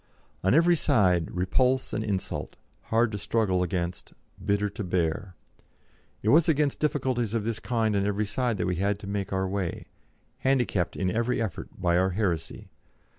On every side repulse and insult, hard to struggle against, bitter to bear. It was against difficulties of this kind on every side that we had to make our way, handicapped in every effort by our heresy.